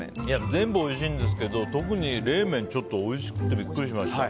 全部おいしいんですけど特に冷麺ちょっとおいしくてビックリしました。